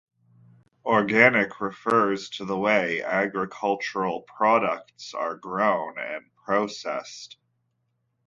Organic refers to the way agricultural products are grown and processed.